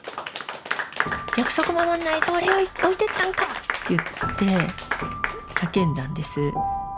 約束守んないで俺を置いてったんか！」って言って叫んだんです。